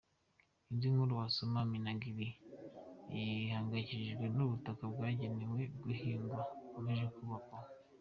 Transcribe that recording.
Indi nkuru wasoma : Minagri ihangayikishijwe n’ubutaka bwagenewe guhingwa bukomeje kubakwaho.